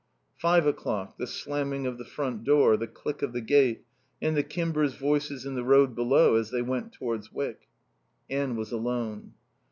Five o'clock, the slamming of the front door, the click of the gate, and the Kimbers' voices in the road below as they went towards Wyck. Anne was alone.